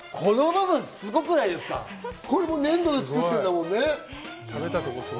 これも粘土で作ってるんだもんね。